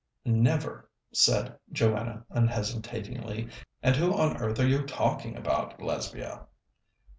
"Never," said Joanna unhesitatingly. "And who on earth are you talking about, Lesbia?"